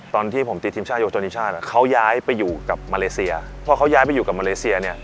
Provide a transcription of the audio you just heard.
ตอนที่ผมจีนทีมชาติโยโจนิชาเขาย้ายไปอยู่กับมาเลเซีย